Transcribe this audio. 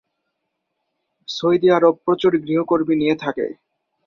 Saudi আরব প্রচুর গৃহকর্মী নিয়ে থাকে।